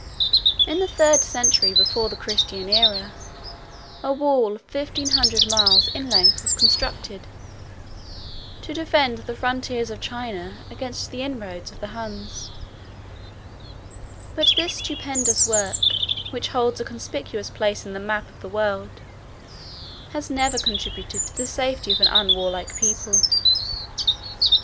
In the third century 3211 before the Christian æra, a wall of fifteen hundred miles in length was constructed, to defend the frontiers of China against the inroads of the Huns; 33 but this stupendous work, which holds a conspicuous place in the map of the world, has never contributed to the safety of an unwarlike people.